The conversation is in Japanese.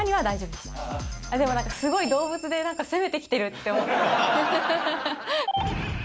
でもなんか、すごい動物で攻めてきてるって思って。